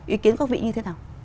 ý kiến của các vị như thế nào